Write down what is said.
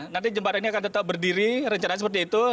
nanti jembatan ini akan tetap berdiri rencana seperti itu